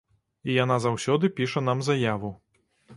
І яна заўсёды піша нам заяву.